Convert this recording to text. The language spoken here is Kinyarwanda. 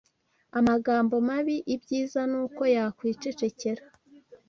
amagambo mabi, ibyiza ni uko yakwicecekera